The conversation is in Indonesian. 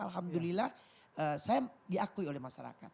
alhamdulillah saya diakui oleh masyarakat